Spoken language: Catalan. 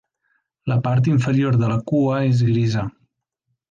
La part inferior de la cua és grisa.